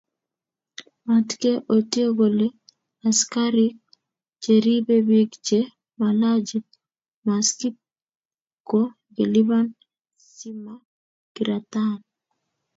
mat kee utie kole askarik cheripe bik che malachi maskit ko kelipani simakiratin